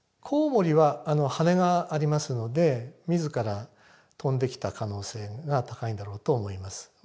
コウモリは羽がありますので自ら飛んできた可能性が高いんだろうと思います。